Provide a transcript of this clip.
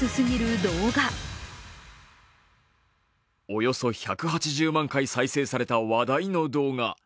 およそ１８０万回再生された話題の動画。